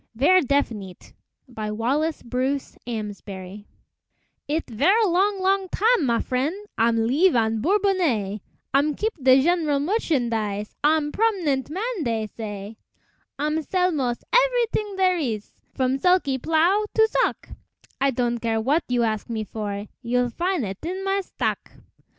VERRE DEFINITE BY WALLACE BRUCE AMSBARY It' verre long, long tam', ma frien', I'm leeve on Bourbonnais, I'm keep de gen'rale merchandise, I'm prom'nent man, dey say; I'm sell mos' every t'ing dere ees, From sulky plow to sock, I don' care w'at you ask me for, You'll fin' it in my stock.